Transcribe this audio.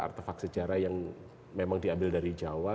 artefak sejarah yang memang diambil dari jawa